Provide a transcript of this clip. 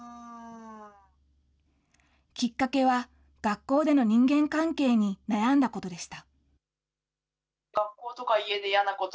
きっかけは、学校での人間関係に悩んだことでした。